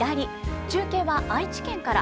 中継は愛知県から。